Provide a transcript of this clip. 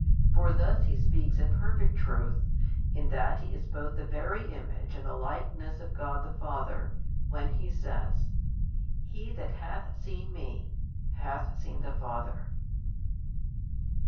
For thus He speaks in perfect truth, in that He is both the Very Image and the Likeness of God the Father, when He says: He that hath seen Me hath seen the Father.